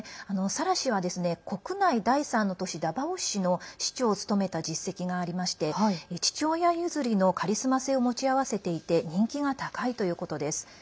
サラ氏は国内第３の都市ダバオ市の市長を務めた実績がありまして父親譲りのカリスマ性を持ち合わせていて人気が高いということです。